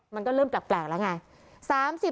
มันก็เริ่มแปลกแล้วไง